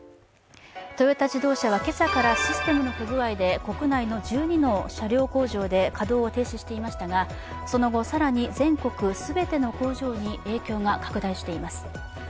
トヨタ自動車は今朝からシステムの不具合で国内の１２の車両工場で稼働を停止していましたがその後、更に全国全ての工場に影響が拡大しています。